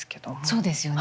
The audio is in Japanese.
そうですよね。